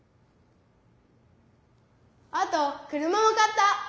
あと車も買った。